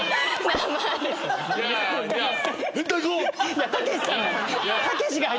いやたけしさんなの？